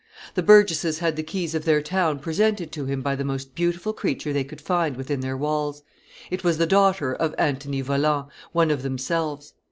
The burgesses had the keys of their town presented to him by the most beautiful creature they could find within their walls; it was the daughter of Antony Voland, one of themselves.